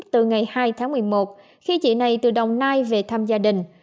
từ ngày hai tháng một mươi một khi chị này từ đồng nai về thăm gia đình